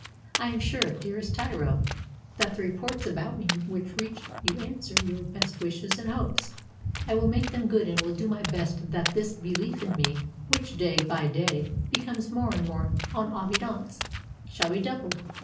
I am sure, dearest Tiro, that the reports about me which reach you answer your best wishes and hopes. I will make them good and will do my best that this belief in me, which day by day be comes more and more en evidence, shall be doubled.